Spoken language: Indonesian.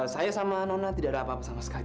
saya sama nona tidak ada apa apa sama sekali